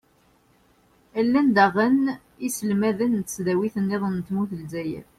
llan daɣen yiselmaden n tesdawin-nniḍen n tmurt n lezzayer.